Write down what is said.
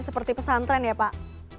seperti pesantren ya pak